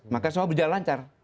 maka semua berjalan lancar